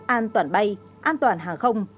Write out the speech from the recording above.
an toàn bay an toàn hàng không